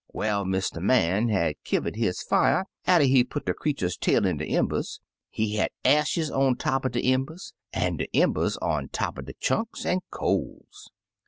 Well, Mr. Man had kiwer'd his fier atter he put de creetur's tail in de em bers; he had ashes on top er de embers, an' de embers on top er de chunks an' coals.